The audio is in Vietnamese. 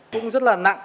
cũng rất là nặng